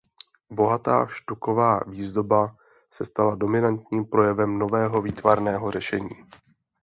Bohatá štuková výzdoba se stala dominantním projevem nového výtvarného řešení.